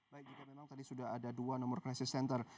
baik jika memang tadi sudah ada dua nomor crisis center